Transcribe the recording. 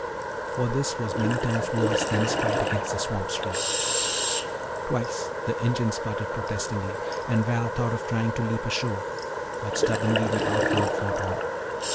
For this was many times worse than his fight against the swamp stream. Twice the engine sputtered protestingly and Val thought of trying to leap ashore. But stubbornly the outboard fought on.